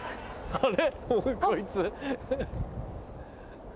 あれ？